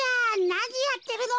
なにやってるの。